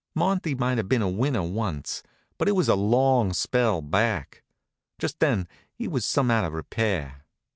Monty might have been a winner once, but it was a long spell back. Just then he was some out of repair.